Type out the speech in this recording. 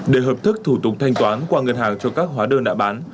để hợp thức thủ tục thanh toán qua ngân hàng cho các hóa đơn đã bán